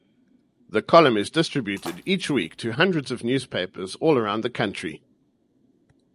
The column is distributed each week to hundreds of newspapers all over the country.